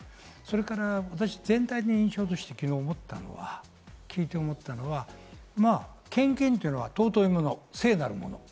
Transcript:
それから私、全体の印象として昨日思ったのは、聞いて思ったのは、献金というのは尊いもの、聖なるもの。